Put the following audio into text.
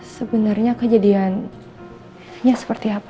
sebenarnya kejadiannya seperti apa